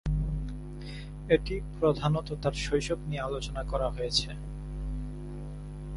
এটি প্রধানত তার শৈশব নিয়ে আলোচনা করা হয়েছে।